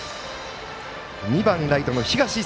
２番ライトの東。